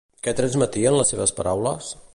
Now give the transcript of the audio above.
Què transmetien les seves paraules?